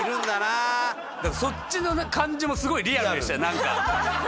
だからそっちの感じもすごいリアルでしたよなんか。